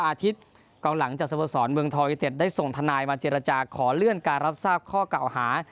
อาทิตย์กองหลังจากสโมสรเมืองทอยูเต็ดได้ส่งทนายมาเจรจาขอเลื่อนการรับทราบข้อเก่าหา